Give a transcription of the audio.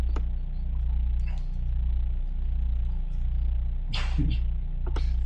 Los padres de Delius eran alemanes.